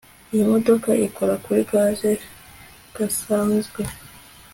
Iyi modoka ikora kuri gaze gasanzwe